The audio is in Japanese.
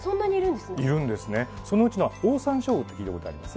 そのうちのオオサンショウウオって聞いたことあります？